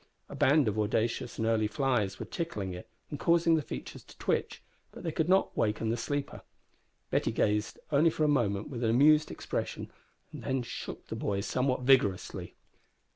A band of audacious and early flies were tickling it, and causing the features to twitch, but they could not waken the sleeper. Betty gazed only for a moment with an amused expression, and then shook the boy somewhat vigorously.